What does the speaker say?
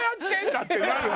ってなるわよ。